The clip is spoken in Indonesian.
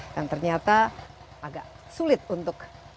dan ternyata agak sulit untuk menerima